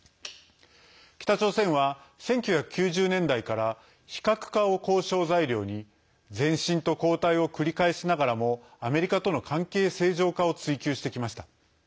北朝鮮は、１９９０年代から非核化を交渉材料に前進と後退を繰り返しながらもアメリカとの関係正常化を追求してきました。